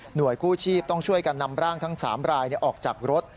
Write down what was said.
กู้ชีพต้องช่วยกันนำร่างทั้ง๓รายออกจากรถ